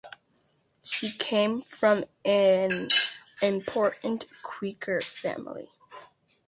She came from an important Quaker family.